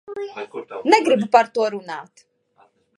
Negribu par to runāt.